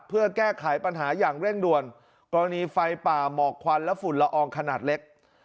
เพื่อแก้ไขปัญหาอย่างเร่งด่วนกรณีไฟป่าหมอกควันและฝุ่นละอองขนาดเล็ก